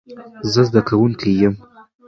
زه زدکونکې ېم